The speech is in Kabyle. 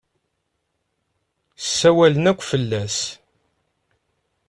Ssawalen akk fell-as.